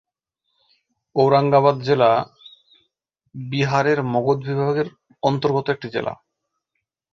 ঔরঙ্গাবাদ জেলা বিহারের মগধ বিভাগের অন্তর্গত একটি জেলা।